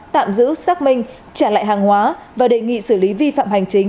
tạm giữ xác minh trả lại hàng hóa và đề nghị xử lý vi phạm hành chính